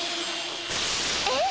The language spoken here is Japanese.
えっ？